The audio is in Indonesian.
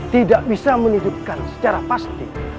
tidak bisa menunjukkan secara pasti